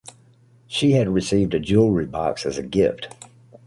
She had received a jewelry box as a gift.